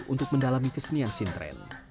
untuk mendalami kesenian sintren